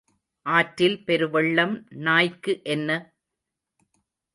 ஆற்றில் பெரு வெள்ளம் நாய்க்கு என்ன?